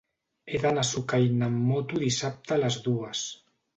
He d'anar a Sucaina amb moto dissabte a les dues.